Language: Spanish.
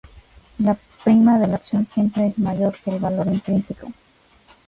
La prima de la opción siempre es mayor que el valor intrínseco.